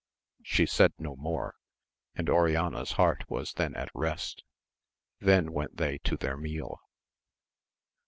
She said no more, and Oriana's heart was then at rest. Then went they to their meal.